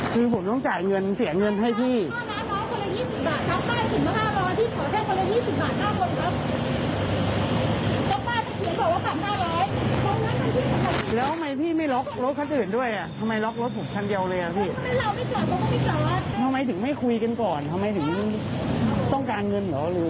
ต้องการเนินเหรอหรือว่าอย่างไร